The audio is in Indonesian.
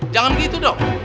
jangan gitu dong